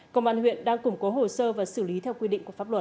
công an huyện đang củng cố hồ sơ và xử lý theo quy định của pháp luật